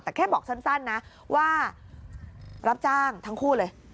แต่แค่บอกสั้นนะว่ารับจ้างทั้งคู่เลย